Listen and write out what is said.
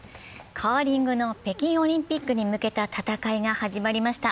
カーリングの北京オリンピックに向けた戦いが始まりました。